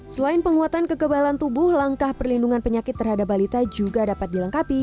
selain penguatan kekebalan tubuh langkah perlindungan penyakit terhadap balita juga dapat dilengkapi